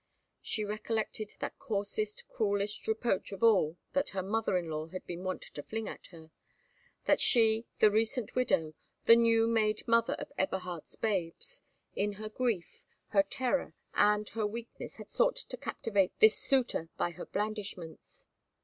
She recollected that coarsest, cruellest reproach of all that her mother in law had been wont to fling at her,—that she, the recent widow, the new made mother of Eberhard's babes, in her grief, her terror, and her weakness had sought to captivate this suitor by her blandishments.